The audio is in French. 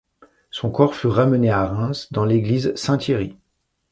Son corps fut ramené à Reims dans l'église Saint-Thierry.